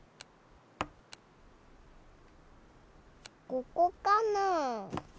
ここかな？